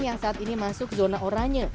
yang saat ini masuk zona oranye